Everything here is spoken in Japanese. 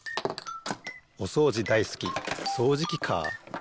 おそうじだいすきそうじきカー。